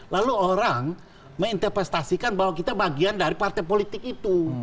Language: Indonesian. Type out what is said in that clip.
lalu orang menginterpretasikan bahwa kita bagian dari partai politik itu